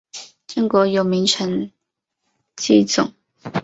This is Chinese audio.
郑国有名臣祭仲。